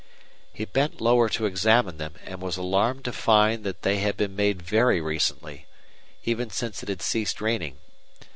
He bent lower to examine them, and was alarmed to find that they had been made very recently, even since it had ceased raining.